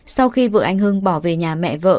sau khi vợ anh hưng bỏ về nhà mẹ vợ